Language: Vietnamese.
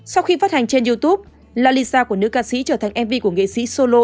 sau khi phát hành trên youtube la lisa của nữ ca sĩ trở thành mv của nghệ sĩ solo